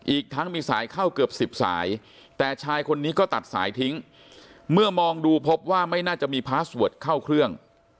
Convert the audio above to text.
อีกทั้งมีสายเข้าเกือบ๑๐สายแต่ชายคนนี้ก็ตัดสายทิ้งเมื่อมองดูพบว่าไม่น่าจะมีพาสเวิร์ดเข้าเครื่อง